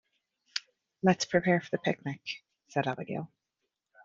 "Let's prepare for the picnic!", said Abigail.